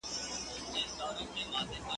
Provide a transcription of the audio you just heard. په يوه موزه کي دوې پښې نه ځائېږي.